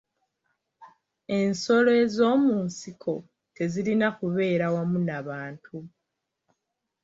Ensolo ez'omu nsiko tezirina kubeera wamu n'abantu.